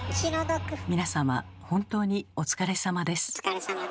皆様本当にお疲れさまです。